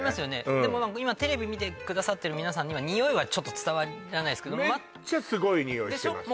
でも今テレビ見てくださってる皆さんには匂いはちょっと伝わらないですけどメッチャすごい匂いしてますでしょ？